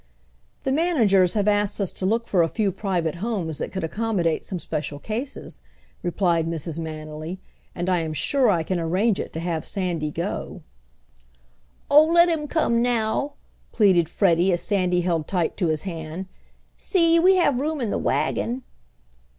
"The managers have asked us to look for a few private homes that could accommodate some special cases," replied Mrs. Manily, "and I am sure I can arrange it to have Sandy go." "Oh, let him come now," pleaded Freddie, as Sandy held tight to his hand. "See, we have room in the wagon."